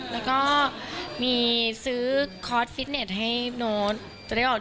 แล้วก็มีซื้อคอร์ดฟิตเนสให้โน๊ต